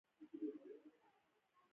د ګرانولوما د سوزش ځانګړې بڼه ده.